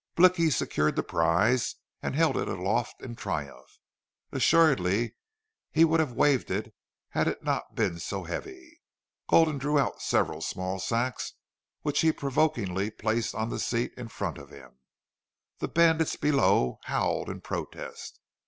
Blicky secured the prize and he held it aloft in triumph. Assuredly he would have waved it had it not been so heavy. Gulden drew out several small sacks, which he provokingly placed on the seat in front of him. The bandits below howled in protest.